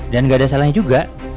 gak ada salahnya juga